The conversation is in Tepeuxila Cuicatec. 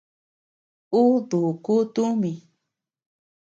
Uu dúkuu tumi.